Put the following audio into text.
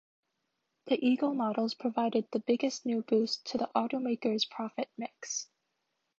The Eagle models provided the biggest new boost to the automaker's profit mix.